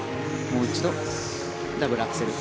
もう一度、ダブルアクセル。